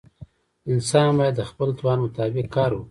انسان باید د خپل توان مطابق کار وکړي.